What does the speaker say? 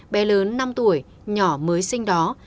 bé lớn năm tuổi nhỏ mới sinh đó